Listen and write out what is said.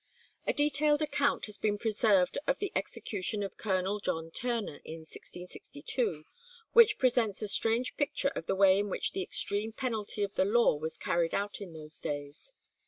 A detailed account has been preserved of the execution of Colonel John Turner in 1662, which presents a strange picture of the way in which the extreme penalty of the law was carried out in those days.